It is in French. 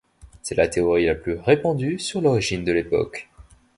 C'est la théorie la plus répandue sur l'origine de l'époque.